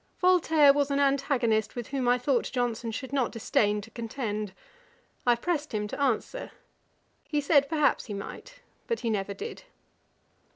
Voltaire was an antagonist with whom I thought Johnson should not disdain to contend. I pressed him to answer. He said, he perhaps might; but he never did.